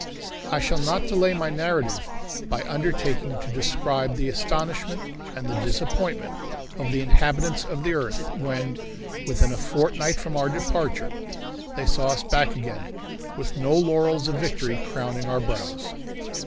I shall not delay my narrative by undertaking to describe the astonishment and the disappointment of the inhabitants of the earth when, within a fortnight from our departure, they saw us back again, with no laurels of victory crowning our brows.